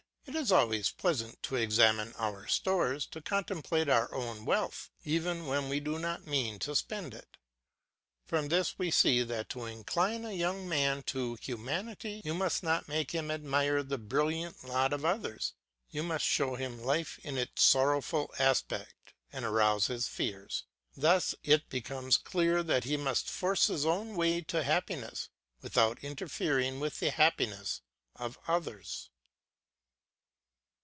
It is always pleasant to examine our stores, to contemplate our own wealth, even when we do not mean to spend it. From this we see that to incline a young man to humanity you must not make him admire the brilliant lot of others; you must show him life in its sorrowful aspects and arouse his fears. Thus it becomes clear that he must force his own way to happiness, without interfering with the happiness of others.